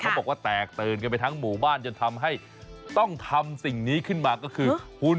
บอกว่าแตกตื่นกันไปทั้งหมู่บ้านจนทำให้ต้องทำสิ่งนี้ขึ้นมาก็คือหุ่น